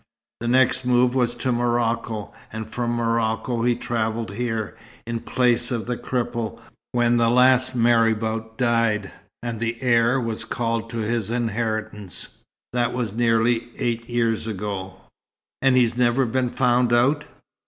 The next move was to Morocco. And from Morocco he travelled here, in place of the cripple, when the last marabout died, and the heir was called to his inheritance. That was nearly eight years ago." "And he's never been found out?"